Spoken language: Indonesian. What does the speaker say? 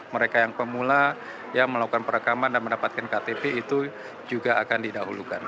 mereka yang pemula yang melakukan perekaman dan mendapatkan ktp itu juga akan didahulukan